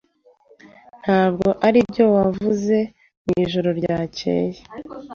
Ntabwo aribyo wavuze mwijoro ryakeye.